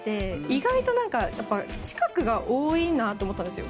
意外と近くが多いなと思ったんですよ。